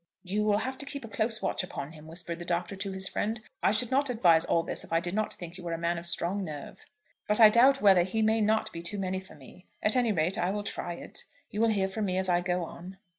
"You'll have to keep a close watch upon him," whispered the Doctor to his friend. "I should not advise all this if I did not think you were a man of strong nerve." "I am not afraid," said the other; "but I doubt whether he may not be too many for me. At any rate, I will try it. You will hear from me as I go on."